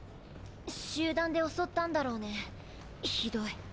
集団で襲ったんだろうねひどい。